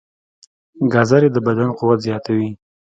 ګازرې د بدن قوت زیاتوي.